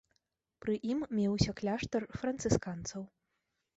Пры ім меўся кляштар францысканцаў.